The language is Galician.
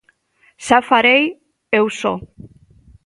Xa o farei eu só!